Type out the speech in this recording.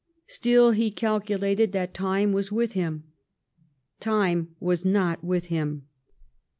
Still he calculated that time was with him. Time was not with him.